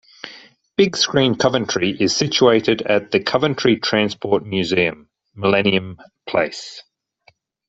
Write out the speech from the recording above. Big Screen Coventry is situated at the Coventry Transport Museum, Millennium Place.